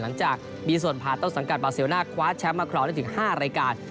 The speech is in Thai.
หลังจากมีส่วนผ่านต้นสังกัดบาเซลน่าคว้าแชมป์มาครองได้ถึง๕รายการ